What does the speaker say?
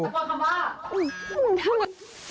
ถ้าควรคำว่า